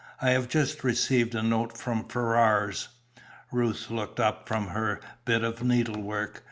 "I have just received a note from Ferrars." Ruth looked up from her bit of needlework.